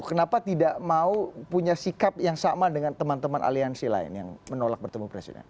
kenapa tidak mau punya sikap yang sama dengan teman teman aliansi lain yang menolak bertemu presiden